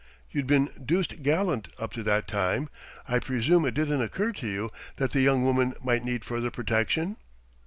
"You'd been deuced gallant up to that time. I presume it didn't occur to you that the young woman might need further protection?"